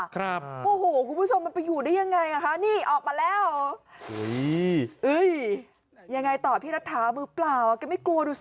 ครับโอ้โหคุณผู้ชมมันไปอยู่ได้ยังไงอ่ะค่ะ